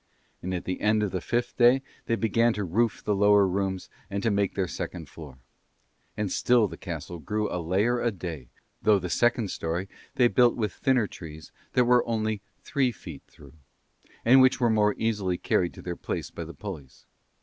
And at the end of the fifth day they began to roof the lower rooms and make their second floor: and still the castle grew a layer a day, though the second storey they built with thinner trees that were only three feet through, which were more easily carried to their place by the pulleys.